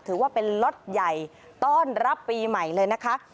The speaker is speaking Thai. ถือว่าเป็นล็อตใหญ่ต้อนรับปีใหม่เลยนะคะ